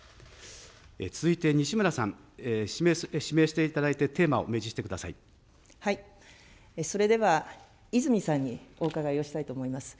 続いて西村さん、指名していただいて、テーマを明示してくだそれでは泉さんにお伺いをしたいと思います。